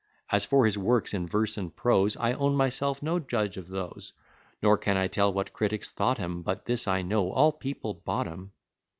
As for his works in verse and prose I own myself no judge of those; Nor can I tell what critics thought 'em: But this I know, all people bought 'em.